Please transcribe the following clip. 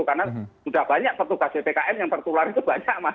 karena sudah banyak petugas bpkn yang tertular itu banyak mas